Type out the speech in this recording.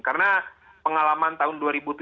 karena pengalaman tahun dua ribu tujuh belas